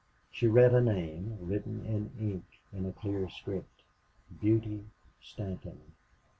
She read a name, written in ink, in a clear script: "Beauty Stanton."